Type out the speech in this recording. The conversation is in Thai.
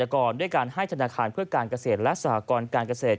ก่อนด้วยการให้ธนาคารเพื่อการเกษตรและสหกรการเกษตร